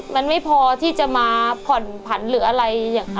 มันไม่พอที่จะมาผ่อนผันหรืออะไรอย่างนี้